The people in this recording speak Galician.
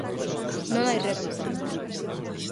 Non hai réplica.